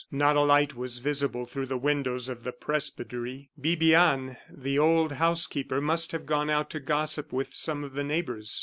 Not a light was visible through the windows of the presbytery; Bibiane, the old housekeeper, must have gone out to gossip with some of the neighbors.